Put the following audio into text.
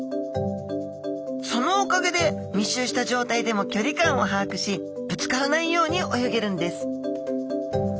そのおかげで密集した状態でもきょり感をはあくしぶつからないように泳げるんです